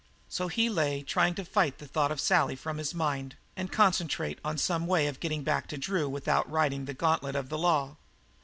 So he lay trying to fight the thought of Sally from his mind and concentrate on some way of getting back to Drew without riding the gauntlet of the law.